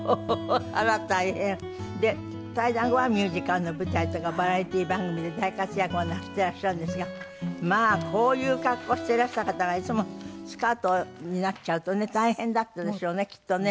退団後はミュージカルの舞台とかバラエティー番組で大活躍をなすってらっしゃるんですがまあこういう格好をしてらした方がいつもスカートになっちゃうとね大変だったでしょうねきっとね。